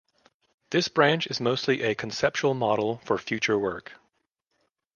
This branch is mostly a conceptual model for future work.